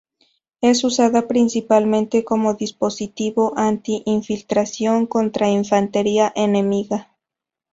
Es usada principalmente como dispositivo anti-infiltración contra infantería enemiga.